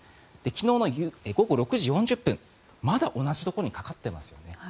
昨日の午後６時４０分まだ同じところにかかっていますよね。